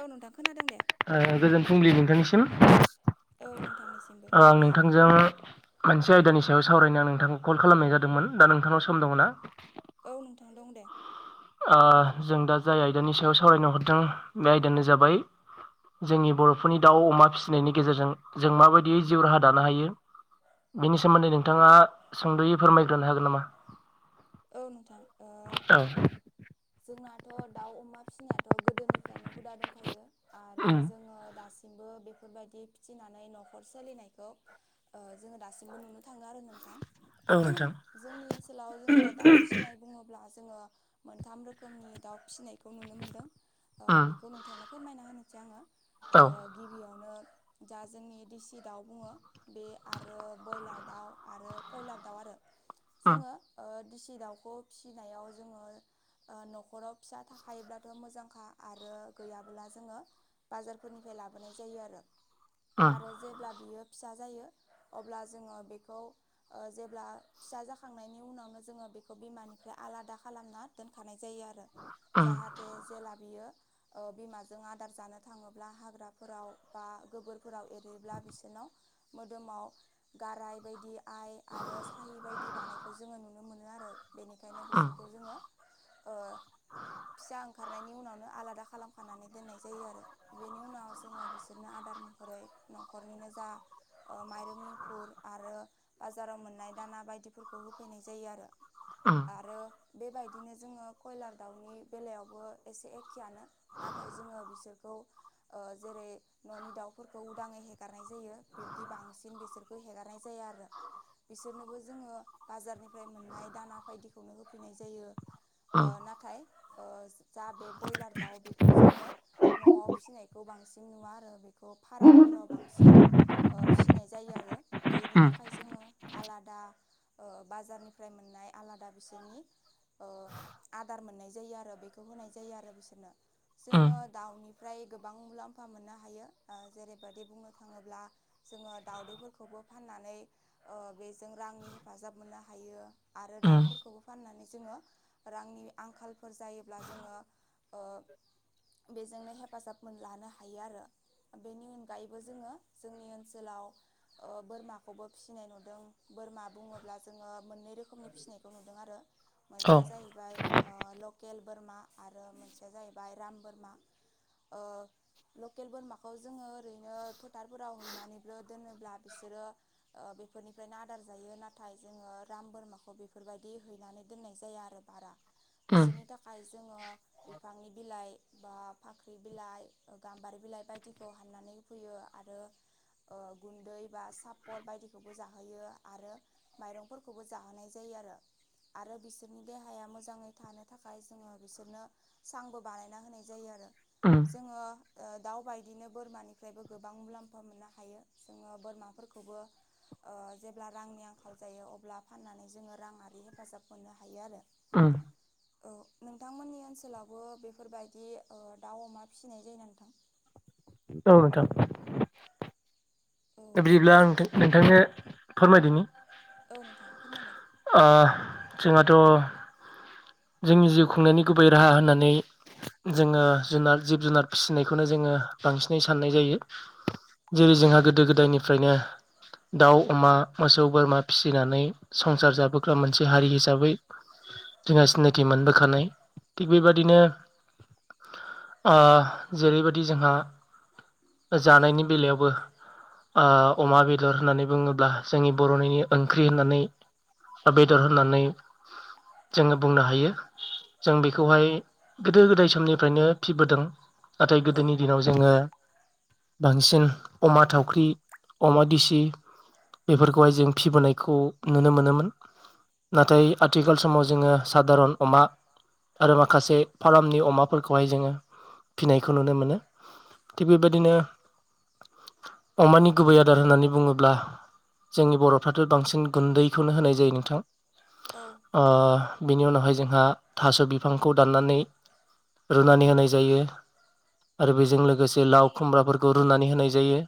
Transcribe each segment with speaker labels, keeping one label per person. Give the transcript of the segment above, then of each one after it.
Speaker 1: औ नोंथां खोनादों दे
Speaker 2: गोजोन फुंबिलि नोंथांनिसिम आं नोंथांजों मोनसे आयदानि सायाव सावरायनो आं नोंथांखौ कल खालामनाय जादोंमोन दा नोंथांनाव सम दङ ना
Speaker 1: औ नोंथां दं दे
Speaker 2: जों दा जाय आयदानि सायाव सावरायनो हरदों बे आयदायानो जाबाय जोंनि बर'फोरनि दाउ अमा फिसिनायनि गेजेरजों जों माबायदियै जिउ राहा दानो हायो। बेनि सोमोन्दै नोंथाङा सोंद'यै फोरमायग्रोनो हागोन नामा?
Speaker 1: औ नोंथां जोंनाथ' दाउ अमा फिसिनायाथ' गोदोनिफ्रायनो हुदा दंखायो। आरो जोङो दासि दामबो बेफोरबायदि फिथिनानै न'खर सोलिनायखौ ओ जोङो दासिमबो नुनो थाङो आरो ना जोंनि ओनसोलाव जोङो दाउ फिसिनाय बुङोब्ला बा जोङो मोनथाम रोखोमनि दाव फिसिनाय बे खौ नुनो मोनदों बेखौ नोंथांनो फोरमायना होनोसै आङो ओ गिबियावनो जा जोंनि देसि दाउ बुङो बे आरो बयलार दाउ आरो कयलार दाउ आरो जोङो ओ दिसि दाउखौ फिसिनायाव जोङो न'खराव फिसा थाखायोब्लाथ' मोजांखा आरो गैयाब्ला जोङो बाजारफोरनिफ्राय लाबोनाय जायो आरो जेब्ला बियो। फिसा जायो अब्ला जोङो बेखौ ओ जेब्ला फिसा जाखांनायनि उनावनो जोङो बेखो बेखौ बिमानिफ्राय आलादा खालामना दोनखानाय जायो आरो जाहाथे जेला बियो बिमाजों आदार जानो थाङोब्ला हाग्राफोराव बा गोबोरफोराव एरयोब्ला बिसोरनाव मोदोमाव गाराय बायदि आइ आरो साहि बायदि बानायखौ जोङो नुनो मोनो आरो बेनिखायनो बिसोरखौ जोङो ओ फिसा ओंखार खांनायनि उनावनो आलादा खालामखानानै दोननाय जायो आरो बेनि उनाव जोङो बिसोरनो आदार महरै न'खरनिनो जा ओ माइरं एंखुर आरो बाजाराव मोननाय दाना बायदिफोरखौ होफैनाय जायो आरो। आरो बेबायदि बिदिनो जोङो कयलार दाउनि बेलायावबो एसे एखेआनो नाथाय जोङो बिसोरखौ ओ जेरै न'नि दाउफोरखौ उदाङै हेगारनाय जा जायो बिबदि बांसिन बिसोरखौ हेगारनाय जाया आरो बिसोरनोबो जों बाजारनिफ्राइ दाना बायदिखौनो होफैनाय जायो नाथाय जा बे ब्रयलार दाउ बेखौ जोङो न'आव फिनायखौ बांसिन नुवा आरो बे खौ फार्मफोराव बांसिन ओ फिसिनाय जायो आरो बेनि थाखाय जोङो आलादा ओ बाजारनिफ्राय मोननाय आलादा बिसोरनि ओ आदार मोननाय जायो आरो बेखौ होनाय जायो आरो बिसोरनो जोङो दाउनि फ्राय गोबां मुलाम्फा मोननो हायो ओ जेरैबायदि बुंनो थाङोब्ला जोङो दावदैफोरखौबो फाननानै ओ बेजों रांनि हेफाजाब मोननो हायो। आरो दाउफोरखौबो फाननानै जोङो रांनि आंखालफोर जायोब्ला जोङो ओ बेजोंनो हेफाजाब मोन लानो हायो आरो। बेनि अनगायैबो जोङो जोंनि ओनसोलाव ओ बोरमाखौबो फिसिनाय नुदों। बोरमा बुङोब्ला जोङो मै रोखोमनि फिसिनायखौ नुदों आरो मोनसेया जाहैबाय ओ लक केेल बोरमा आरो मोनसेया जाहैबाय राम बोरमा।
Speaker 2: [inaudible]
Speaker 1: लकेल बोरमाखौ जोङो ओरैनो फोथारफोराव हैनानैबो दोनोब्ला बिसोरो ओ बेफोरनिफ्रायनो आदार जायो नाथाय जोङो राम बोरमाखौ खौ बेफोरबायदि हैनानै दोननाय जाया आरो बारा बिसोरनि थाखाय
Speaker 2: [inaudible]
Speaker 1: बिफांनि बिलाइ बा फाख्रि बिलाइ ओ गाम्बारि बिलाइ बायदिखौ हाननानै हो फैयो। आरो ओ गुन्दै बा सापर बायदिखौबो जाहोयो आरो माइरंफोरखौबो जाहोनाय जायो आरो आरो बिसोरनि देहाया मोजाङै थानो थाखाय जोङो बिसोरनो सांबो बानायना होनाय जायो आरो। जोङो ओ दाउ बायदिनो बोरमानिफ्रायबो गोबां मुलाम्फा मोननो हायो जोङो बोरमाफोरखौबो ओ जेब्ला रांनि आंखाल जायो अब्ला फाननानै जोङो राङारि हेफाजाब मोननो हायो आरो
Speaker 2: उम
Speaker 1: औ नोंथांमोननि ओनसोलावबो बेफोरबायदि ओ दाउ अमा फिसिनाय जायो नोंथां
Speaker 2: औ नोंथां बिदिब्ला आं नोंथांनो फोरमायदोनि
Speaker 1: औ नोंथां फोरमायलाय
Speaker 2: ओ जोंहाथ' जोंनि जिउ खुंनायनि गुबै राहा होननानै जोङो जुनार जिब जुनार फिसिनायखौनो जोङो बांसिनै साननाय जायो जेरै जोंहा गोदो गोदायनिफ्रायनो दाउ अमा मोसौ बोरमा फिसिनानै संसार जाबोग्रा मोनसे हारि हिसाबै जोंहा सिनायथि मोनबोखानाय थिग बेबादिनो ऐ जेरैबायदि जोंहा जानायनि बेलायावबो ओ अमा बेदर होननानै बुङोब्ला जोंनि बर'निनो ओंख्रि होननानै बेदर होननानै जोङो बुंनो हायो। जों बेखौहाय गोदो गोदाय समनिफ्रायनो फिबोदों। नाथाय गोदोनि दिनाव जोङो बांसिन अमा थावख्रि अमा दिसि बेफोरखौहाय जों फिबोनायखौ नुनो मोनोमोन नाथाय आथिखाल समाव जोङो सादारन अमा आरो माखासे फार्मनि अमाफोरखौहाय जोङो फिनाय खौ नुनो मोनो थिग बेबायदिनो अमानि गुबै आदार होननानै बुङोब्ला जोंनि बर'फ्राथ' बांसिन गुन्दैखौनो होनाय जायो नोंथां। ओ बेवहाय जोंहा थास' बिफांखौ दान्नानै रुनानै होनाय जायो आरो बेजों लोगोसे लाव खुम्ब्राफोरखौ रुनानै होनाय जायो।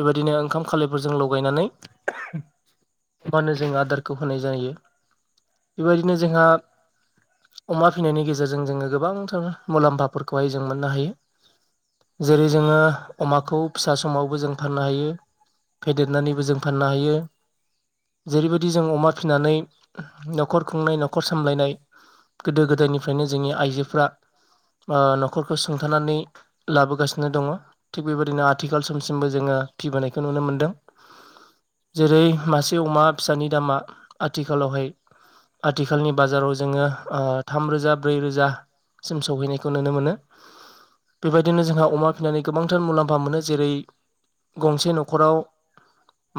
Speaker 2: बेबायदिनो ओंखाम खालायफोरजों लगायनानै होमबानो जों आदारखौ होनाय जायो बेबायदिनो जोंहा अमा फिनायनि गेजेरजों जोङो गोबांथार मुलाम्फाफोरखौहाय जों मोननो हायो जेरै जोङो अमाखौ फिसा समावबो जों फाननो हायो फेदेरनानैबो जों फाननो हायो जेरैबायदि जों अमा फिसिनानै न'खर खुंनाय न'खर सामलायनाय गोदो गोदायनिफ्रायनो जोंनि आइजोफ्रा ओ न'खरखौ सुंथानानै लाबोगासिनो दङ थिग बेबायदिनो आथिखाल समसिमबो जोङो फिबोनायखौ नुनो मोनदों जेरै मासे अमा फिसानि दामा आथिखालनि बाजाराव जोङो ओ थामरोजा ब्रै रोजा सिम सौहैनायखौ नुनो मोनो बेबायदिनो जोंहा अमा फिसिनानै गोबांथार मुलाम्फा मोनो जेरै गंसे न'खराव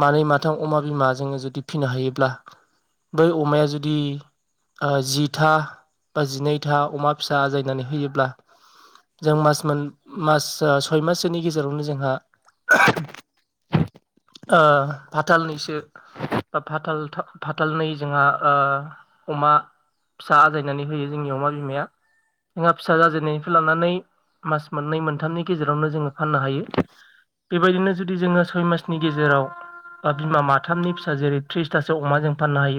Speaker 2: मानै माथाम अमा बिमा जोङो जुदि फिनो हायोब्ला अमाया जुदि जिथा बा जिनैथा अमा फिसा आजायनानै होयोब्ला जों मास मोन मास सय माससोनि गेजेरावनो जोंहा ओ फाथालनैसो फाथाल जोंहा ओ अमा फिसा आजायनानै होयो जोंनि अमा बिमाया जोंहा फिसा जाजेननायनिफ्राय लानानै मास मोननै मोनथामनि गेजेरावनो जोङो फाननो हायो बेबायदिनो जुदि जोङो सय मासनि गेजेराव बा बिमा माथामनि फिसा जेरै थ्रिसथासो अमा जों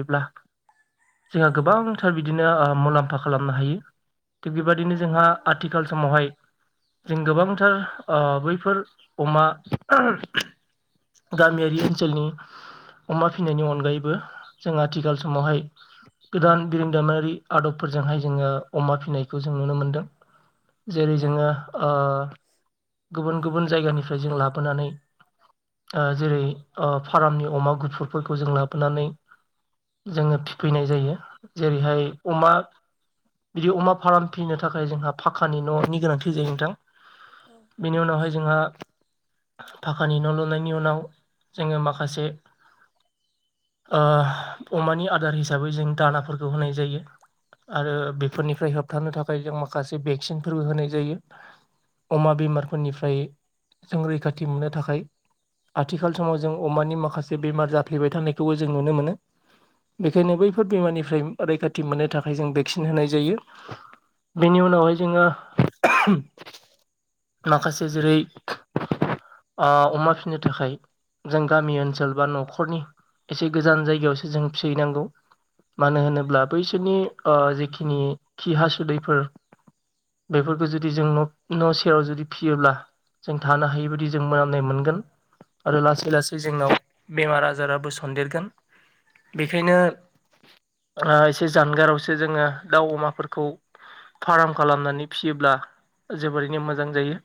Speaker 2: जोंहा गोबांथार बिदिनो ओ मुलाम्फा खालामनो हायो थिग बेबायदिनो जोंहा आथिखाल समावहाय जों गोबांथार ओ बैफोर अमा गामियारि ओनसोलनि अमा फिनायनि अनगायैबो जों आथिखाल समावहाय गोदान बिरोंदामारि आदबफोरजोंहाय जोङो अमा फिनायखौ जों नुनो मोनदों जेरै जोङो ओ गुबुन गुबुन जायगानिफ्राय जों लाबोनानै ओ जेरै ओ फारामनि अमा गुफुरफोरखौ जों लाबोनानै जोङो फिफैनाय जायो जेरैहाय अमा बिदि अमा फाराम फिनो थाखाय जोंहा फाखानि न'नि गोनांथि जायो नोंथां बिनि उनावहाय जोंहा फाखानि न' लुनायनि उनाव जोङो माखासे ओ अमानि आदार हिसाबै जों दानाफोरखौ होनाय जायो आरो बेफोरनिफ्राय होबथानो थाखाय जों माखासे भेक्सिनफोरबो होनाय जायो अमा बेमारफोरनिफ्राय जों रैखाथि मोननो थाखाय आथिखाल समाव जों अमानि माखासे बेमार जाफ्लेबाय थानायखौबो जों नुनो मोनो बेखायनो बैफोर बेमारनिफ्राय रैखाथि मोननो थाखाय जों भेक्सिन होनाय जायो बेनि उनावहाय जोङो माखासे जेरै अ अमा फिनो थाखाय जों गामि ओनसोल बा न'खरनि एसे गोजान जायगायावसो जों फिहैनांगौ मानो होनोब्ला बैसोरनि ओ जेखिनि खि हासुदैफोर बेफोरखौ जुदि जों न' सेराव जुदि फियोब्ला जों थानो हायि बायदि जों मोनामनाय मोनगोन आरो लासै लासै जोंनाव बेमार आजाराबो सनदेरगोन बेखायनो ओ एसे जानगारावसो जोङो दाउ अमाफोरखौ फार्म खालामनानै फियोब्ला जोबोरैनो मोजां जायो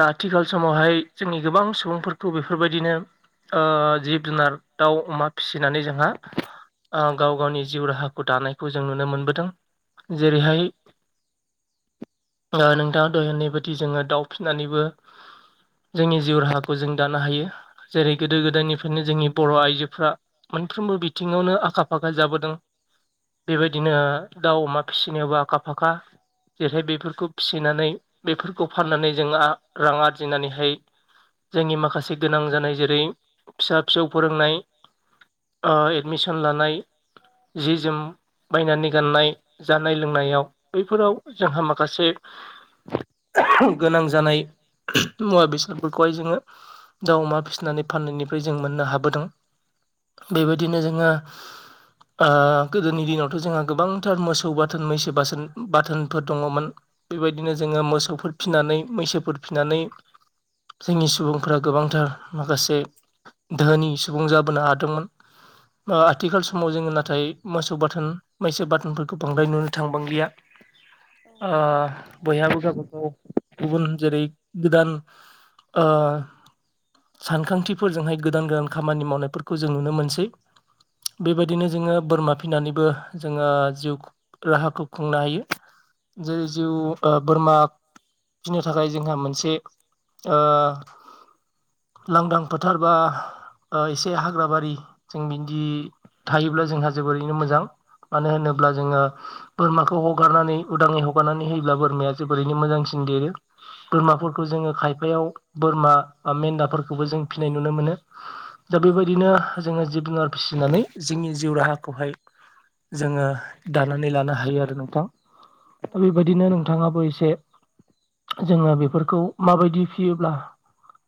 Speaker 2: दा आथिखाल समावहाय जोंनि गोबां सुबुंफोरखौ बेफोरबायदिनो ओ जिब जुनार दाउ अमा फिसि नानै जोंहा गाव गावनि जिउ राहाखौ दानायखौ जों नुनो मोनबोदों जेरैहाय ओ नोंथाङा दा होननाय बायदि जोङो दाउ फिनानैबो जोंनि जिउ राहाखौ जों दानो हायो जेरै गोदो गोदायनिफ्रायनो जोंनि बर' आइजोफ्रा मोनफ्रोमबो बिथिङावनो आखा फाखा जाबोदों बेबायदिनो दाउ अमा फिसिनायावबो आखा फाखा जेरैहाय बेफोरखौ फिनानै बेफोरखौ फाननानै जों रां आरजिनानैहाय जोंनि माखासे गोनां जानाय जेरै फिसा फिसौ फोरोंनाय अ एडमिसन लानाय जि जोम बायनानै गाननाय जानाय लोंनायाव बैफोराव जोंहा माखासे गोनां जानाय मुवा बेसादफोरखौहाय जोङो दाउ अमा फिसिनानै फाननायनिफ्राय जों मोननो हाबोदों बेबायदिनो जोङो ओ गोदोनि दिनावथ' जोंहा गोबांथार मोसौ बाथोन मैसो बोसोन बाथोनफोर दङमोन बेबायदिनो जोङो मोसौफोर फिनानै मैसोफोर फिनानै जोंनि सुबुंफोरा गोबांथार माखासे दोहोनि सुबुं जाबोनो हादों दोंमोन ओ आथिखाल समाव जोङो नाथाय मोसौ बाथोन मैसो बाथोनफोरखौ बांद्राय नुनो थांबां लिया ओ बयहाबो गावाब गाव गुबुन जेरै गोदान सानखांथिफोरजोंहाय गोदान गोदान खामानि मावनायफोरखौ जों नुनो मोनसै बेबायदिनो जोङो बोरमा फिनानैबो जोङो जिउ राहाखौ खुंनो हायो जे जिउ ओ बोरमा फिनो थाखाय जोंहा मोनसे लांदां फोथार बा ओ एसे हाग्रा हाग्राबारि जों बिदि थायोब्ला जोंहा जोबोरैनो मोजां मानो होनोब्ला जोङो बोरमाखौ हगारनानै उदाङै हगारनानै होयोब्ला बोरमाया जोबोरैनो मोजांसिन देरो बोरमाफोरखौ जोङो खायफायाव बोरमा बा मेन्दाफोरखौबो जों फिनाय नुनो मोनो जोङो जिब जुनार फिसिनानै जोंनि जिउ राहाखौहाय जोङो दानानै लानो हायो आरो नोंथां दा बेबायदिनो नोंथाङाबो एसे जोङो बेफोरखौ माबायदि फियोब्ला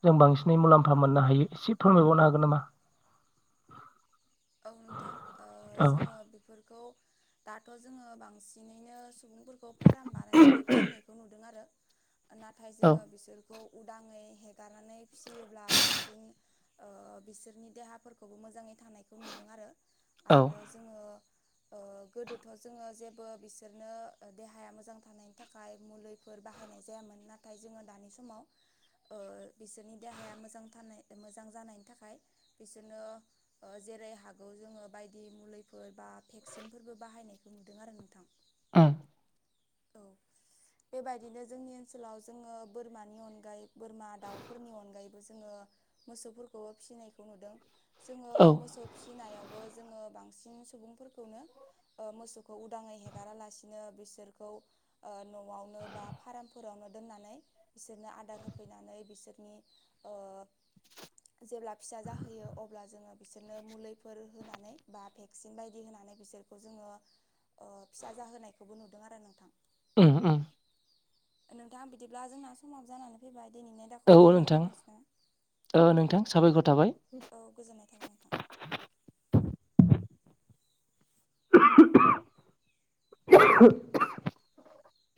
Speaker 2: जों बांसिनै मुलाम्फा मोननो हायो एसे फोरमायबावनो हागोन नामा
Speaker 1: औ नोंथां जों बेफोरखौ दाथ' जोङो बांसिनैनो सुबुंफोरखौ फार्म बानायनानै फिनायखौ नुदों आरो नाथाय जोङो बिसोरखौ उदाङै हेगारनानै फियोब्ला बांसिन ओ बिसोरनि देहाफोरखौबो मोजाङै थानायखौ नुनो मोनो आरो जोङो
Speaker 2: [inaudible]
Speaker 1: गोदोथ' जोङो जेबो बिसोरनो देहाया मोजां थानायनि थाखाय मुलिफोर बाहायनाय जाया नाथाय जोङो दानि समाव ओ बिसोरनि देहाया मोजां थानाय मोजां जानायनि थाखाय बिसोरनो ओ जेरै हागौ जोङो बायदि मुलिफोर बा भेक्सिनफोरबो बाहायनायखौ नुदों आरो नोंथां
Speaker 2: उम
Speaker 1: बेबायदिनो जोंनि ओनसोलाव जोङो बोरमानि अनगायै बोरमा दाउफोरनि अनगायैबो जोङो ओ मोसौफोरखौबो फिनायखौ नुदों जोङो मोसौ नायावबो जोङो बांसिन सुबुंफोरखौनो ओ मोसौखौ उदाङै हेगारालासिनो बिसोरखौ ओ न'आवनो बा फार्मफोरावनो नो दोननानै बिसोरनो आदार होफैनानै बिसोरनि ओ जेब्ला फिसा जाहोयो अब्ला जोङो बिसोर बिसोरनो मुलिफोर होनानै बा भेक्सिन बायदि होनानै बिसोरखौ जोङो ओ फिसा जाहोनायखौबो नुदों आरो नोंथां
Speaker 2: उम उम
Speaker 1: नोंथाङा बिदिब्ला जोंना समाबो जानानै फैबाय दिनैनि आयदाखौ बेखिनियावनो दोनथ'सै ना औ गोजोननाय थाबाय नोंथां
Speaker 2: [unintelligible]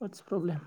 Speaker 2: हवातस प्रब्लेम